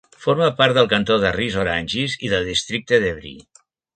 Forma part del cantó de Ris-Orangis i del districte d'Évry.